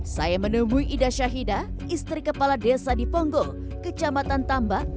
saya menemui ida syahida istri kepala desa di ponggo kecamatan tambak